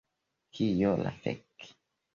Kio la fek'...